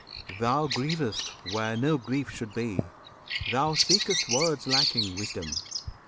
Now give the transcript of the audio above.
Thou grievest where no grief should be! thou speak'st Words lacking wisdom!